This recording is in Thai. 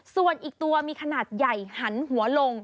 ส่วนอีกตัวมีขนาดใหญ่หันหัวลง